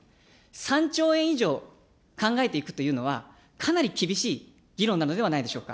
３兆円以上考えていくというのは、かなり厳しい議論なのではないでしょうか。